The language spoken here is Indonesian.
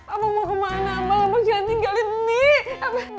abang mau kemana abang jangan tinggalin nek